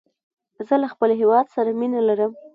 زه له خپل هیواد سره مینه لرم.